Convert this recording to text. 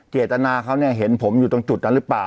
เจตนาเขาเนี่ยเห็นผมอยู่ตรงจุดนั้นหรือเปล่า